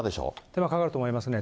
手間かかると思いますね。